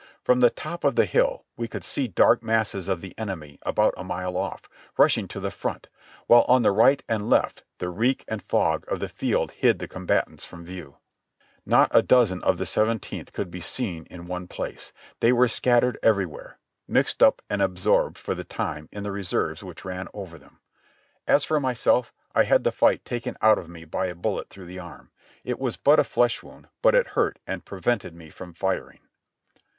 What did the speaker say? From the top of the hill we could see dark masses of the enemy about a mile off, rushing to the front, while on the right and left the reek and fog of the field hid the combatants from view. Not a dozen of the Seventeenth could be seen in one place. They were scattered everywhere, mixed up and absorbed for the time in the reserves which ran over them. As for myself, I had the fight taken out of me by a bullet through the arm. It was but a flesh wound, but it hurt and prevented me from firing.